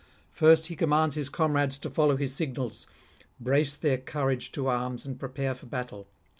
First he commands his comrades to follow his signals, brace their courage to arms and prepare for battle.